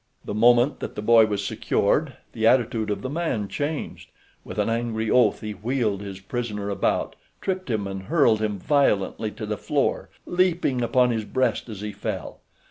The moment that the boy was secured the attitude of the man changed. With an angry oath he wheeled his prisoner about, tripped him and hurled him violently to the floor, leaping upon his breast as he fell.